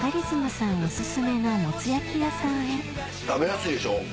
その後食べやすいでしょ？